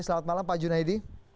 selamat malam pak junaidi